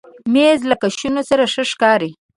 مېز له کوشنو سره ښه ښکاري.